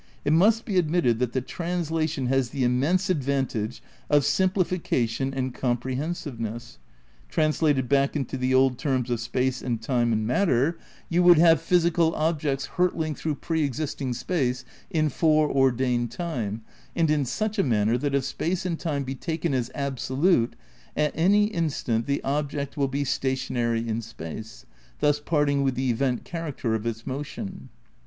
It must be admitted that the translation has the immense advantage of sim plification and comprehensiveness. Translated back into the old terms of space and time and matter, you 102 THE NEW IDEALISM in would have physical objects hurtling through pre exist ing space in fore ordained time and in such a manner that if space and time be taken as absolute, at any in stant the object wiU be stationary in space, thus part ing with the event character of its motion.